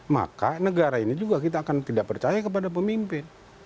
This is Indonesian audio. maka negara ini juga kita akan tidak percaya kepada pemimpin